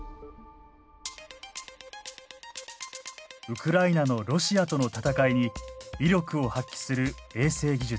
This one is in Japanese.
ウクライナのロシアとの戦いに威力を発揮する衛星技術。